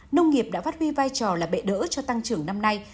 nông nghiệp đã phát huy vai trò là bệ đỡ cho tăng trưởng năm nay